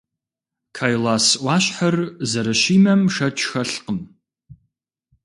Кайлас ӏуащхьэр зэрыщимэм шэч хэлъкъым.